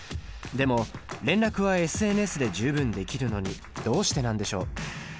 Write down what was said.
でも連絡はＳＮＳで十分できるのにどうしてなんでしょう？